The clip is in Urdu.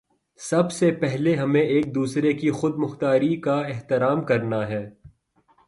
سب سے پہلے ہمیں ایک دوسرے کی خود مختاری کا احترام کرنا ہے۔